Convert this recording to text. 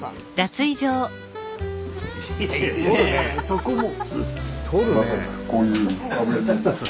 そこも。